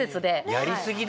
やりすぎだ